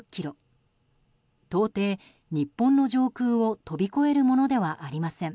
到底、日本の上空を飛び越えるものではありません。